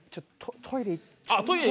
トイレ！